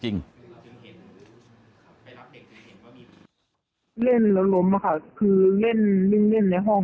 เล่นแล้วล้มอ่ะค่ะคือเล่นในห้อง